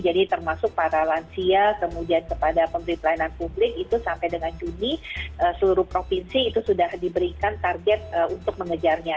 jadi termasuk para lansia kemudian kepada pemerintah layanan publik itu sampai dengan juni seluruh provinsi itu sudah diberikan target untuk mengejarnya